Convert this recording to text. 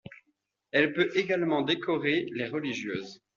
Elle peut également décorer les religieuses.